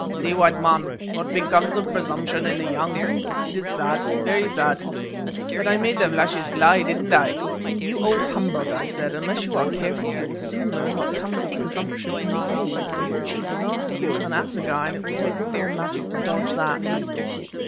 See, white man, what becomes of presumption in the young. It is sad, very sad, but I made the flashes fly, didn't I?" "You old humbug," I said, "unless you are careful you will soon learn what comes of presumption in the old, for your chief is after you with an assegai, and it will take all your magic to dodge that."